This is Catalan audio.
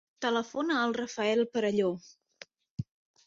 Telefona al Rafael Perello.